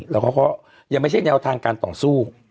แล้วเขาก็ยังไม่ใช่แนวทางการต่อสู้